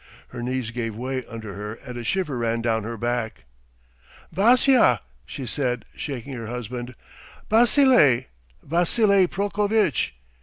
... Her knees gave way under her and a shiver ran down her back. "Vassya!" she said, shaking her husband, "Basile! Vassily Prokovitch!